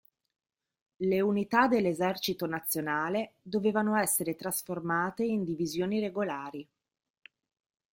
Le unità dell'esercito nazionale dovevano essere trasformate in divisioni regolari.